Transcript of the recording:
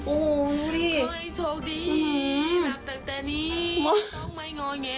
โอ้โหดูดิ